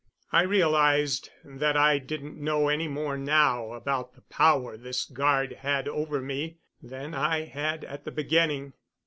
I realized that I didn't know any more now about the power this guard had over me than I had at the beginning.